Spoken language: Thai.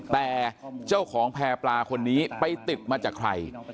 แต่เจ้าของแพร่ปลาคนนี้ไปติดมาจากใคร